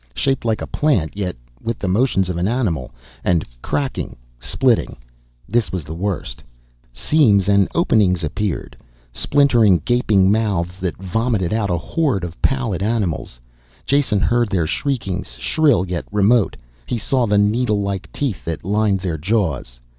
Shaped like a plant, yet with the motions of an animal. And cracking, splitting. This was the worst. Seams and openings appeared. Splintering, gaping mouths that vomited out a horde of pallid animals. Jason heard their shriekings, shrill yet remote. He saw the needlelike teeth that lined their jaws.